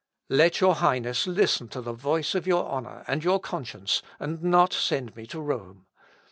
"Let your Highness listen to the voice of your honour and your conscience, and not send me to Rome.